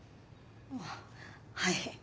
あっはい。